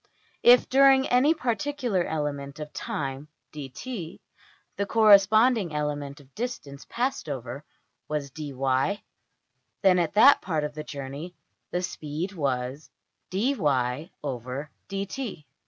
If, during any particular element of time~$dt$, the corresponding element of distance passed over was~$dy$, then at that part of the journey the speed was~$\dfrac{dy}{dt}$.